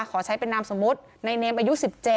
ขอใช้เป็นนามสมมุติในเนมอายุ๑๗